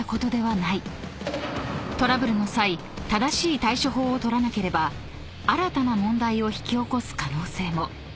［トラブルの際正しい対処法を取らなければ新たな問題を引き起こす可能性も］